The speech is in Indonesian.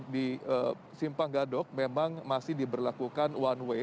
di simpang gadok memang masih diberlakukan one way